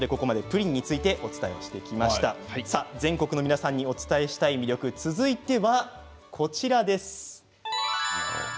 全国の皆さんにお伝えしたい魅力、続いては。